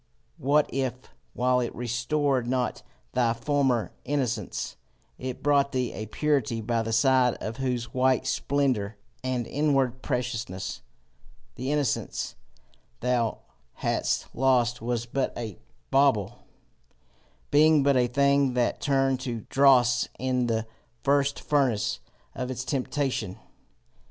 What if, while it restored not thy former innocence, it brought thee a purity by the side of whose white splendour and inward preciousness, the innocence thou hadst lost was but a bauble, being but a thing that turned to dross in the first furnace of its temptation?